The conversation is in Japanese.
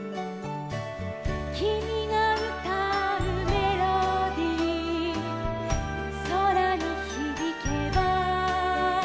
「きみがうたうメロディーそらにひびけば」